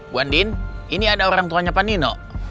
bu andin ini ada orang tuanya panino